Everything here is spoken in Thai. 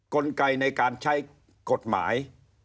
กลไกในการใช้กฎหมาย